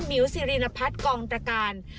มิวสิรินพัทกองตการ